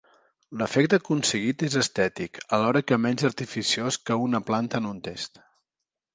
L'efecte aconseguit és estètic alhora que menys artificiós que una planta en un test.